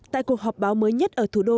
tại cuộc họp báo mới nhất ở thủ đô